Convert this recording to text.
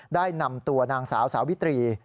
ได้นำตัวนางสาวสาวิตรี